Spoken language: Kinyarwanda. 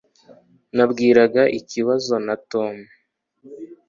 Nabwiraga ikibazo na Tom